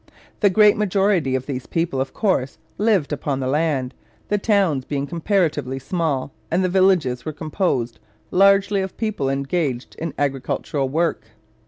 The great majority of these people, of course, lived upon the land, the towns being comparatively small, and the villages were composed largely of people engaged in agricultural work.